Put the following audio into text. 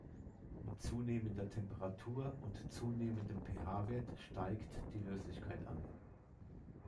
Mit zunehmender Temperatur und zunehmendem pH-Wert steigt die Löslichkeit an.